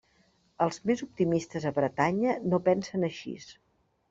Els més optimistes a Bretanya no pensen així.